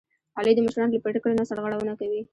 علي د مشرانو له پرېکړې نه سرغړونه کوي.